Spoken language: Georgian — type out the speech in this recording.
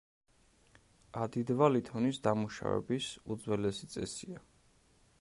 ადიდვა ლითონის დამუშავების უძველესი წესია.